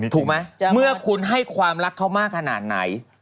ถูกไหมเมื่อคุณให้ความรักเขามากขนาดไหน